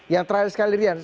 yang terakhir sekali lirian